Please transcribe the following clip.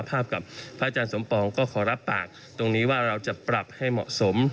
ภาพกับพระอาจารย์สมปองก็ขอรับปากตรงนี้ว่าเราจะปรับให้เหมาะสม